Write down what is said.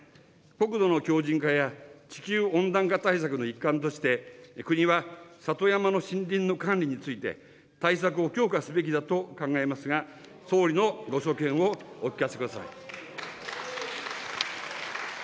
国土の強じん化や地球温暖化対策の一環として、国は、里山の森林の管理について、対策を強化すべきだと考えますが、総理のご所見をお聞かせください。